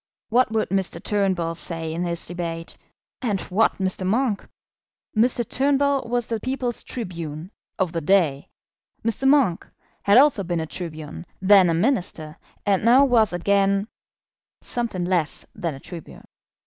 What would Mr. Turnbull say in this debate, and what Mr. Monk? Mr. Turnbull was the people's tribune, of the day; Mr. Monk had also been a tribune, then a Minister, and now was again something less than a tribune.